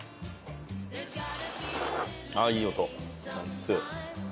ああいい音。